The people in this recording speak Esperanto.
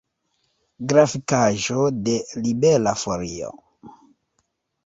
Grafikaĵo de Libera Folio.